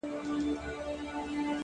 د فکر پراخوالی د ودې نښه ده.